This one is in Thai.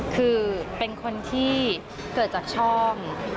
คือเป็นคนที่เกิดจากช่อง